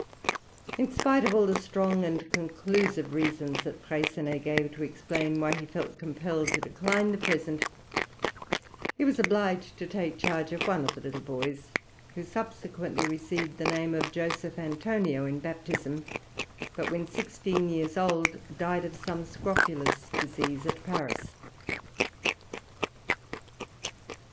In spite of all the strong and conclusive reasons that Freycinet gave to explain why he felt compelled to decline the present, he was obliged to take charge of one of the little boys, who subsequently received the name of Joseph Antonio in baptism, but when sixteen years old died of some scrofulous disease at Paris.